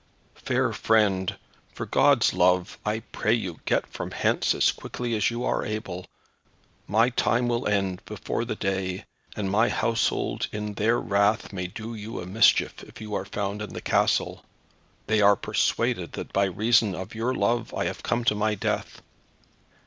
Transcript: "Fair friend, for God's love I pray you get from hence as quickly as you are able. My time will end before the day, and my household, in their wrath, may do you a mischief if you are found in the castle. They are persuaded that by reason of your love I have come to my death.